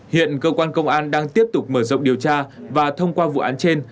hiện cơ quan công an đang tiếp tục mở rộng điều tra và thông qua vụ án trên